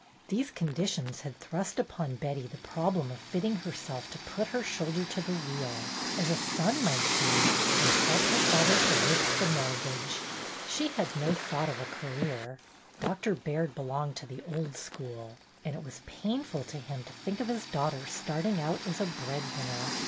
These conditions had thrust upon Betty the problem of fitting herself to put her shoulder to the wheel, as a son might do, and help her father to lift the mortgage. She had no thought of a career. Doctor Baird be longed to the old school, and it was painful to him to think of his daughter starting out MANY A TRUE WORD ^3 as a bread winner.